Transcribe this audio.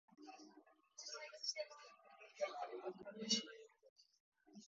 夕焼けが空を染めると、心が温かくなります。